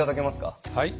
はい。